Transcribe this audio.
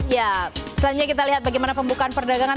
ya selanjutnya kita lihat bagaimana pembukaan perdagangan